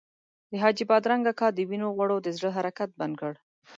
د حاجي بادرنګ اکا د وینو غوړو د زړه حرکت بند کړ.